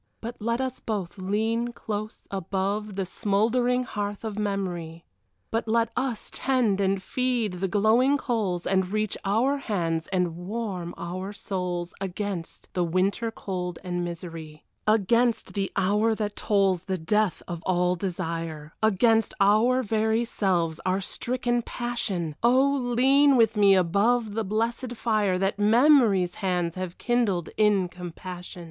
But let us both lean close above The smouldering hearth of memory But let us tend and feed the glowing coals And reach our hands and warm our souls Against the winter cold and misery, Against the hour that tolls the death of all desire, Against our very selves, our stricken passion Oh, lean with me above the blessed fire That Memory's hands have kindled in compassion.